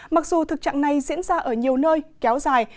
mặc dù thực trạng này diễn ra ở nhiều nơi kéo dài